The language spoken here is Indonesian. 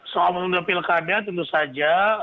soal menunda pilkada tentu saja